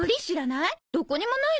どこにもないのよね。